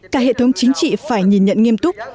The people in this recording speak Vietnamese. cả hệ thống chính trị phải nhìn nhận nghiêm túc